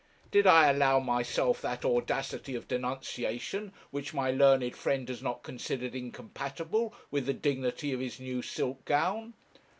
Did I allow myself that audacity of denunciation which my learned friend has not considered incompatible with the dignity of his new silk gown?